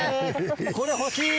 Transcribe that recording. これ欲しい！